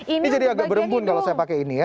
ini jadi agak berembun kalau saya pakai ini ya